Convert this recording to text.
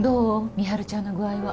美晴ちゃんの具合は。